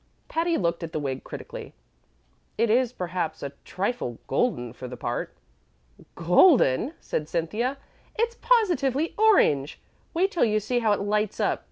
Patty looked at the wig critically. "It is, perhaps, a trifle golden for the part." "Golden!" said Cynthia. "It's positively orange. Wait till you see how it lights up.